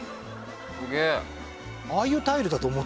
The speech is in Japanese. すげえ。